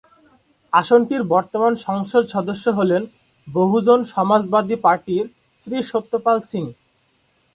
আসনটির বর্তমান সংসদ সদস্য হলেন বহুজন সমাজবাদী পার্টি-এর শ্রী সত্য পাল সিং।